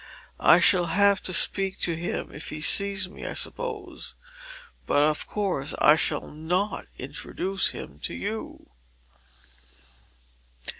I shall have to speak to him if he sees me, I suppose; but of course I shall not introduce him to you."